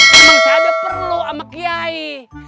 emang saya ada perlu sama kiai